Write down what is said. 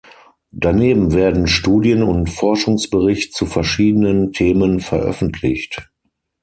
Daneben werden Studien und Forschungsbericht zu verschiedenen Themen veröffentlicht.